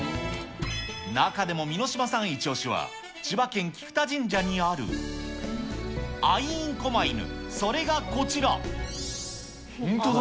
中でもミノシマさんイチオシは、千葉県菊田神社にある、アイーンこま犬。